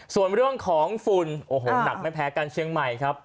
ส่วนเรื่องของฝุ่นโอ้โหหนักไม่แพ้กันเชียงใหม่ครับ